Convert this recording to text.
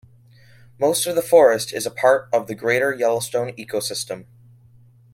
Most of the forest is a part of the Greater Yellowstone Ecosystem.